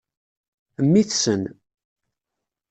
Mmi-tsen.